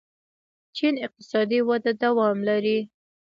چین اقتصادي وده دوام لري.